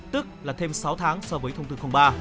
tức là thêm sáu tháng so với thông tư ba